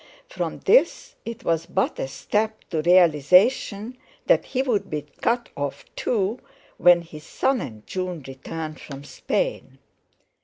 From this it was but a step to realisation that he would be cut off, too, when his son and June returned from Spain.